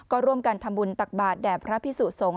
ก็ร่วมกันทำบุญตักบาทแด่พระพิสุสงฆ